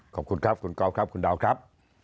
ขอบคุณครับคุณกอล์ฟครับคุณดาวครับ